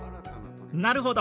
なるほど。